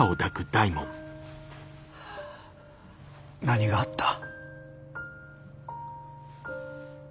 何があった？